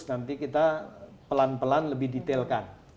nanti kita pelan pelan lebih detailkan